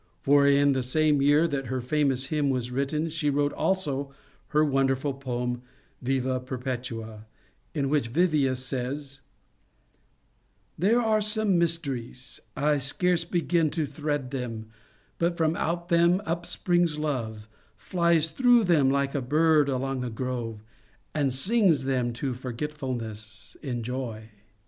For in the same year that her famous hymn was written, she wrote also her wonderful poem, Vivia Perpetua," in which Vivia says :— There are some mysteries; I scarce begin To thread them, but from out them up springs love, Flies through them like a bird along a grove, And sings them to forgetfulness, in joy.